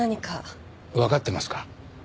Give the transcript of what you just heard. わかってますか？